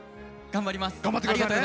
頑張ります。